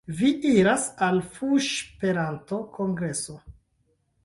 Vi iras al fuŝperanto-kongreso...